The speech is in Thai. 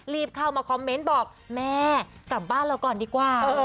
เข้ามาคอมเมนต์บอกแม่กลับบ้านเราก่อนดีกว่า